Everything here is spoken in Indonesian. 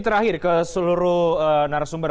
terakhir ke seluruh narasumber